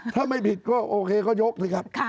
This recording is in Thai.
ถ้าไม่ผิดก็โอเคก็ยกสิครับ